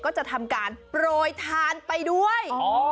ก็จะทำการโปรยทานไปด้วย